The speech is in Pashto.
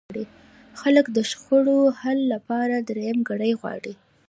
خلک د شخړو حل لپاره درېیمګړی غواړي.